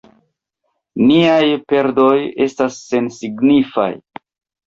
Niaj perdoj estas sensignifaj.